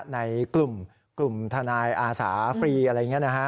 ในกลุ่มทนายอาสาฟรีอะไรอย่างนี้นะฮะ